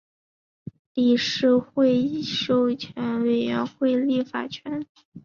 理事会授予委员会立法权。